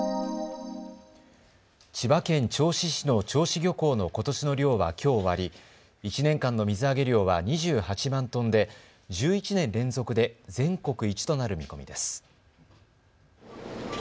千葉県銚子市の銚子漁港のことしの漁はきょう終わり、１年間の水揚げ量は２８万トンで１１年連続で全国一となる見込みです。